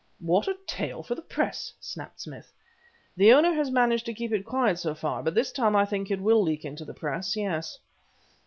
"What a tale for the press!" snapped Smith. "The owner has managed to keep it quiet so far, but this time I think it will leak into the press yes."